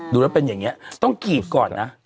ดูแล้วเป็นอย่างนี้ต้องกรีบก่อนนะ